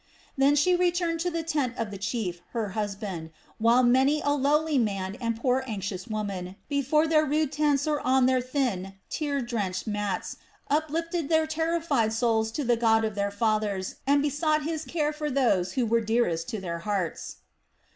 Then she returned to the tent of the chief, her husband, while many a lowly man and poor anxious woman, before their rude tents or on their thin, tear drenched mats, uplifted their terrified souls to the God of their fathers and besought His care for those who were dearest to their hearts.